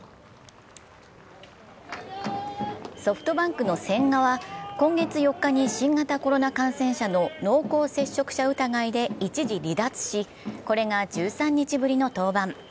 ソフトバンクの千賀は今月４日に新型コロナ感染者の濃厚接触者疑いで一時離脱し、これが１３日ぶりの登板。